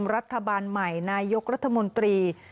รัฐบาลใหม่นายกรัฐมนตรี